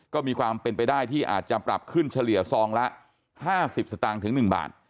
ก็มีความเป็นไปได้ที่อาจจะปรับขึ้นเฉลี่ยซองละ๕๐สตางค์ถึง๑บาท